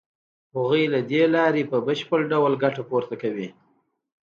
هغوی له دې لارې په بشپړ ډول ګټه پورته کوي